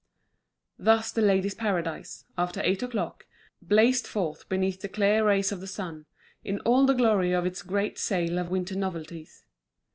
Thus The Ladies' Paradise, after eight o'clock, blazed forth beneath the clear rays of the sun, in all the glory of its great sale of winter novelties.